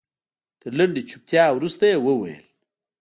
تر لنډې چوپتيا وروسته يې وويل.